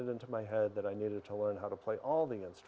cara melihatnya dari model penyakit